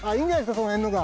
その辺のが。